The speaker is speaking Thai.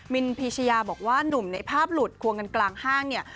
นพีชยาบอกว่าหนุ่มในภาพหลุดควงกันกลางห้างเนี่ย